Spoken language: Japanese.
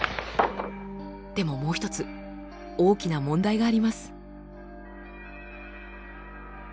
でももう一つ大きな問題があります。